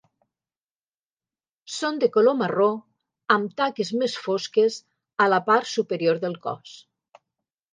Són de color marró amb taques més fosques a la part superior del cos.